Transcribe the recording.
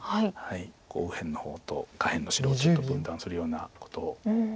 右辺の方と下辺の白をちょっと分断するようなことを。